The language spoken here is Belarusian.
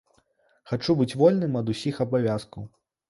Хачу быць вольным ад усіх абавязкаў.